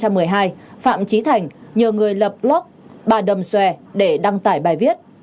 phạm trí thành nhờ người lập blog bà đầm xòe để đăng tải bài viết